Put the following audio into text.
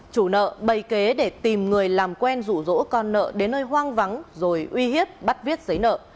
chủ nợ bày kế để tìm người làm quen rủ rỗ con nợ đến nơi hoang vắng rồi uy hiếp bắt viết giấy nợ